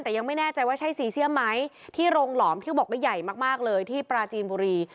แต่ยังไม่แน่ใจว่าใช่ซีเซียมไหมที่โรงหลอมที่บอกว่าใหญ่มากเลยที่ปราจีนบุรี